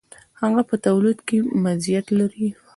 هغه په تولید کې مزیت لري.